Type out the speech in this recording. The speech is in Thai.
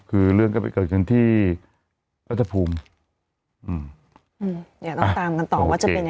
คือเรื่องก็ไปเกิดขึ้นที่รัฐภูมิอืมเดี๋ยวต้องตามกันต่อว่าจะเป็นยังไง